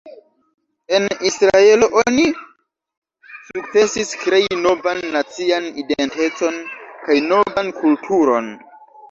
En Israelo oni sukcesis krei novan nacian identecon kaj novan kulturon.